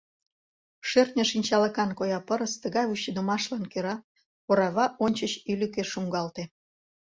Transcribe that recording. Шӧртньӧ шинчалыкан коя пырыс тыгай вучыдымашлан кӧра орава ончыч ӱлыкӧ шуҥгалте.